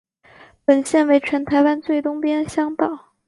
本线为全台湾最东边乡道。